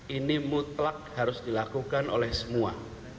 ini mutlak harus dilakukan oleh semua